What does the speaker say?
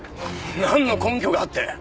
なんの根拠があって？